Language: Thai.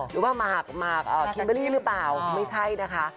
หรือว่ามากมากคิมเบลลี่หรือเปล่าไม่ใช่นะคะ